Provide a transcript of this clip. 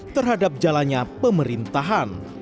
terhadap jalannya pemerintahan